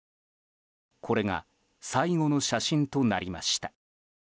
これが最後の写真となりました。